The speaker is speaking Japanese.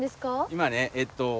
今ねえっと